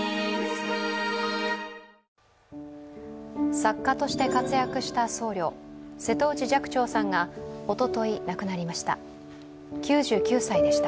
作家として活躍した僧侶瀬戸内寂聴さんがおととい亡くなりました。